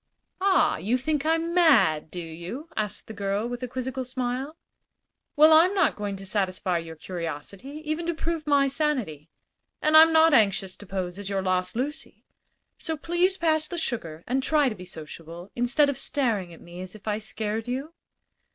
"Ah, you think I'm mad, do you?" asked the girl, with a quizzical smile. "Well, I'm not going to satisfy your curiosity, even to prove my sanity; and I'm not anxious to pose as your lost Lucy. So please pass the sugar and try to be sociable, instead of staring at me as if I scared you."